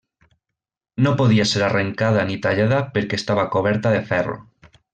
No podia ser arrencada ni tallada perquè estava coberta de ferro.